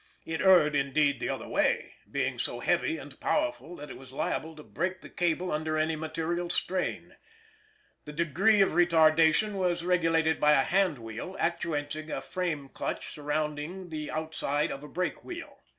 It erred, indeed, the other way, being so heavy and powerful that it was liable to break the cable under any material strain. The degree of retardation was regulated by a hand wheel actuating a frame clutch surrounding the outside of a brake wheel.